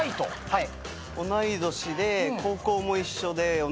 はい。